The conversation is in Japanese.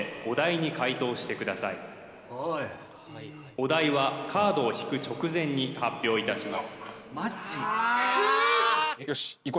お題はカードを引く直前に発表いたしますマジかくう！